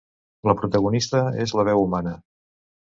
La protagonista és la veu humana.